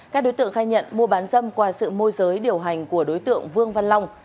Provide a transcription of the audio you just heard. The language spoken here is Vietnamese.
các đối tượng khai nhận mua bán dâm qua sự môi giới điều hành của đối tượng vương văn long